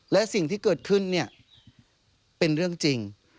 และสิ่งที่เกิดขึ้นเนี่ยเป็นเรื่องจริง